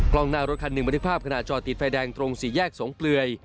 กล้องหน้ารถคันหนึ่งบันทึกภาพขณะจอดติดไฟแดงตรงสี่แยกสงเปลือย